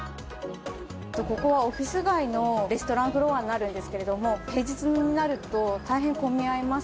ここはオフィス街のレストランフロアになるんですけども、平日になると大変混み合います。